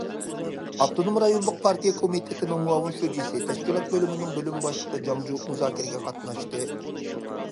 ئاپتونوم رايونلۇق پارتىيە كومىتېتىنىڭ مۇئاۋىن شۇجىسى، تەشكىلات بۆلۈمىنىڭ بۆلۈم باشلىقى جاڭ جۇ مۇزاكىرىگە قاتناشتى.